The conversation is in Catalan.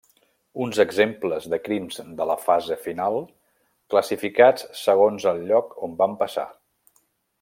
Uns exemples de crims de la fase final, classificats segons el lloc on van passar.